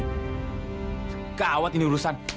sekawat ini urusan